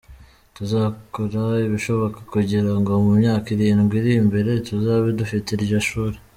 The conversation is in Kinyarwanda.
Tuzakora ibishoboka kugira ngo mu myaka irindwi iri imbere tuzabe dufite iryo shuri.”